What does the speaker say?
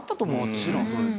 もちろんそうです。